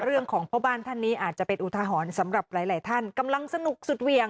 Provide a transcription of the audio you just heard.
เรื่องของพ่อบ้านท่านนี้อาจจะเป็นอุทหรณ์สำหรับหลายหลายท่านกำลังสนุกสุดเหวี่ยง